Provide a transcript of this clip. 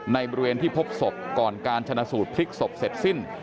ในบริเวณที่พบศพก่อนการชนะสูตรพลิกศพเสร็จสิ้น